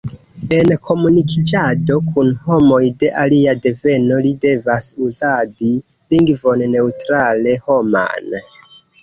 En komunikiĝado kun homoj de alia deveno li devas uzadi lingvon neŭtrale-homan.